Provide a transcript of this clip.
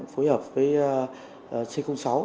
phối hợp với c sáu